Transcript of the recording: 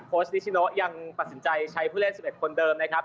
นิชิโนยังตัดสินใจใช้ผู้เล่น๑๑คนเดิมนะครับ